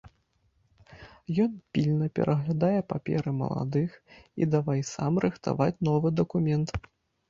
Ён пільна пераглядае паперы маладых і давай сам рыхтаваць новы дакумент.